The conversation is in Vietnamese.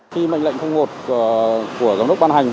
khi mệnh lệnh một của giám đốc ban hành